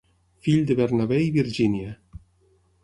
Fill de Bernabé i Virgínia.